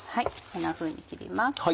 こんなふうに切ります。